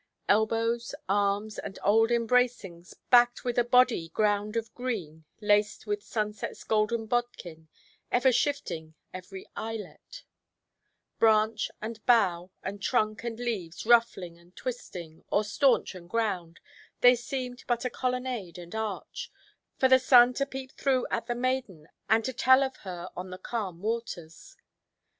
Elbows, arms, and old embracings, backed with a body–ground of green, laced with sunsetʼs golden bodkin, ever shifting every eyelet,—branch, and bough, and trunk, and leaves, ruffling and twisting, or staunch and grand, they seemed but a colonnade and arch, for the sun to peep through at the maiden, and tell of her on the calm waters.